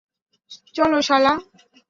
চল, শালা!